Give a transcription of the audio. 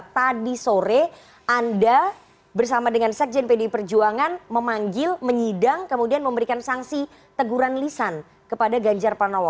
tadi sore anda bersama dengan sekjen pdi perjuangan memanggil menyidang kemudian memberikan sanksi teguran lisan kepada ganjar pranowo